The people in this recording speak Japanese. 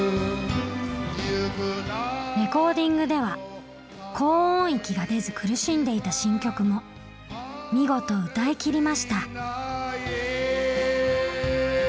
レコーディングでは高音域が出ず苦しんでいた新曲も見事歌いきりました。